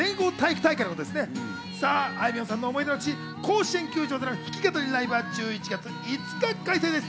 あいみょんさんの思い出の地、甲子園球場での弾き語りライブは１１月５日開催です。